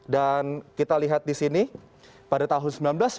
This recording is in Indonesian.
dan kita lihat di sini pada tahun seribu sembilan ratus sembilan puluh empat